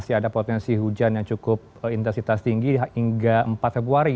masih ada potensi hujan yang cukup intensitas tinggi hingga empat februari